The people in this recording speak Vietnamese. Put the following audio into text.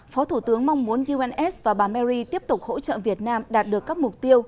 phó thủ tướng mong muốn uns và bà mary tiếp tục hỗ trợ việt nam đạt được các mục tiêu